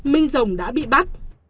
minh rồng đã bị bắt